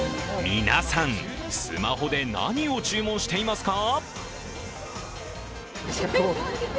皆さん、スマホで何を注文していますか？